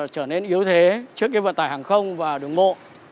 trở nên yếu thế trước cái vận tải hàng không và đường bộ